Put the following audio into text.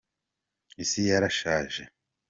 isi yarashaje